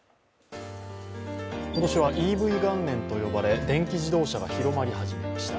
今年はＥＶ元年と呼ばれ電気自動車が広がり始めました。